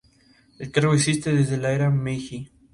El cargo existe desde la era Meiji.